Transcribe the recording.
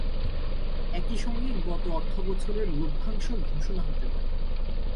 একই সঙ্গে গত অর্থবছরের লভ্যাংশ ঘোষণা হতে পারে।